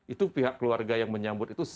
itu pihak keluarga yang menyambut itu